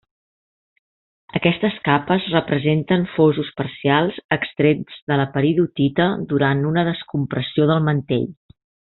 Aquestes capes representen fosos parcials extrets de la peridotita durant una descompressió del mantell.